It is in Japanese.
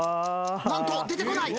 何と出てこない。